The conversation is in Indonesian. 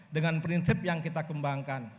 dengan prinsip yang kita kembangkan